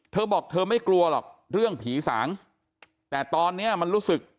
เธอบอกเธอไม่กลัวหรอกเรื่องผีสางแต่ตอนนี้มันรู้สึก